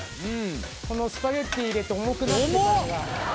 このスパゲティ入れて重くなってくるのが。